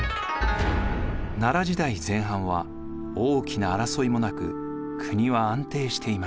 奈良時代前半は大きな争いもなく国は安定していました。